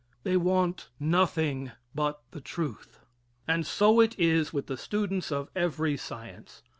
They want nothing but the truth. And so it is with the students of every science.